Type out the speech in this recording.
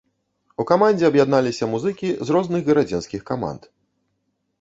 У камандзе аб'ядналіся музыкі з розных гарадзенскіх каманд.